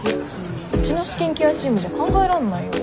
うちのスキンケアチームじゃ考えらんないよ。